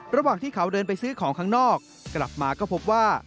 ระหว่างที่เขาเดินไปซื้อของข้างนอกกลับมาก็พบว่า